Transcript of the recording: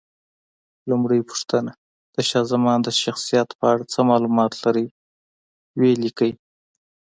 لومړۍ پوښتنه: د شاه زمان د شخصیت په اړه څه معلومات لرئ؟ ویې لیکئ.